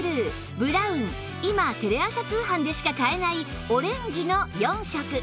今テレ朝通販でしか買えないオレンジの４色